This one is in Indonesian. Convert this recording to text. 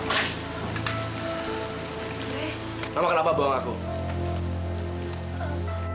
mama kenapa sih tegal banget ngebuang aku tahu nggak saat itu aku